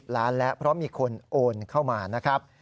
ล้านแล้วเพราะมีคนโอนเข้ามานะครับ